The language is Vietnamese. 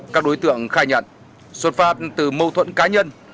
các đối tượng khai nhận xuất phát từ mâu thuẫn cá nhân